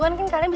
yaa bener itu